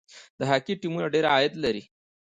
د هاکي ټیمونه ډیر عاید لري.